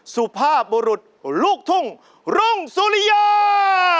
สุภาพบุรุษลูกทุ่งรุ่งสุริยา